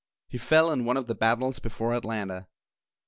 He fell in one of the battles before Atlanta.